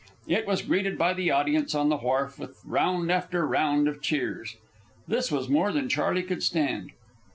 It was greeted by the audience on the wharf with round after round of cheers. This was more than Charley could stand.